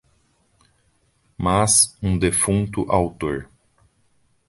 mas um defunto autor